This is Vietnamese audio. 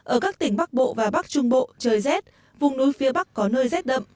ở các tỉnh bắc bộ và bắc trung bộ trời rét vùng núi phía bắc có nơi rét đậm